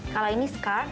kalau ini scarf